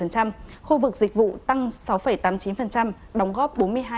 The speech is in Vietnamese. khu vực dịch vụ tăng sáu tám mươi chín đóng góp bốn mươi hai